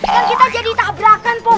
kan kita jadi tabrakan pos gep